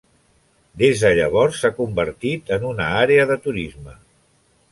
Des de llavors s'ha convertit en una àrea de turisme.